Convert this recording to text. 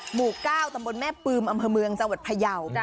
หมู่๙ตำบลแม่ปืมอำเภอเมืองจังหวัดพยาว